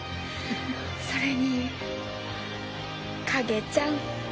それにカゲちゃん。